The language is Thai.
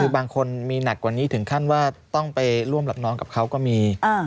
บางคนมีหนักกว่านี้ถึงขั้นว่าต้องไปร่วมหลับนอนกับเขาก็มี